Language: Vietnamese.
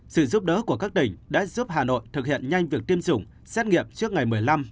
sự giúp đỡ của các tỉnh đã giúp hà nội thực hiện nhanh việc tiêm chủng xét nghiệm trước ngày một mươi năm